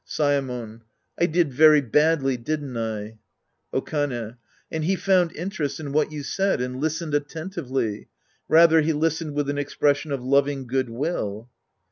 Saemon. I did very badly, didn't I ? Okane. And he found interest in what you said and listened attentively. Rather he listened with an expression of loving good will.